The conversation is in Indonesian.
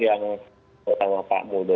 yang pertama pak muldo